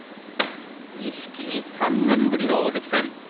錦木の３年ぶりの大関戦です。